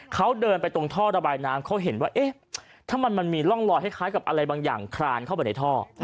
เขาเดินไปตรงท่อระบายน้ำเขาเห็นว่าเอ๊ะถ้ามันมีร่องรอยคล้ายกับอะไรบางอย่างคลานเข้าไปในท่อ